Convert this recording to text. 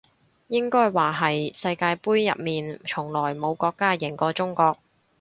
應該話係世界盃入面從來冇國家贏過中國